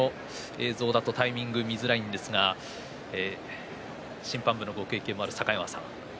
タイミングが見づらいんですが審判部のご経験もある境川さん